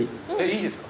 いいですか？